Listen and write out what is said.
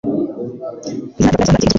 Izina Dracula risobanura iki mubyukuri